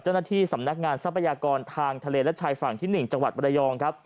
เจ้าหน้าที่สำนักงานทรัพยากรทางทะเลและชายฝั่งที่๑จังหวัดบรยองครับ